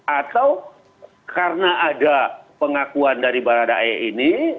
atau karena ada pengakuan dari berada e ini